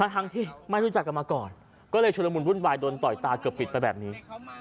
ทั้งที่ไม่รู้จักกันมาก่อนก็เลยชุดละมุนวุ่นวายโดนต่อยตาเกือบปิดไปแบบนี้